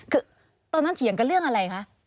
คือตอนนั้นเถียงกันเรื่องอะไรคะ